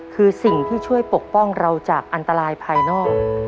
คือสิ่งที่ช่วยปกป้องเราจากอันตรายภายนอก